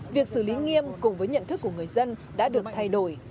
việc xử lý nghiêm cùng với nhận thức của người dân đã được thay đổi